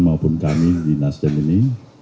maupun kami di nasdem ini